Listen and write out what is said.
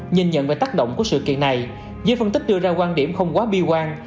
nhìn nhận về tác động của sự kiện này giới phân tích đưa ra quan điểm không quá bi quang